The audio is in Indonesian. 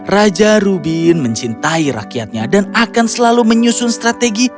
raja rubin mencintai rakyatnya dan akan selalu menyusun strategi